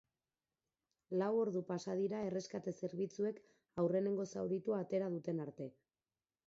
Lau ordu pasa dira erreskate zerbitzuek aurrenengo zauritua atera duten arte.